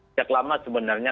sejak lama sebenarnya